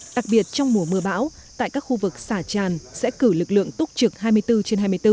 đặc biệt trong mùa mưa bão tại các khu vực xả tràn sẽ cử lực lượng túc trực hai mươi bốn trên hai mươi bốn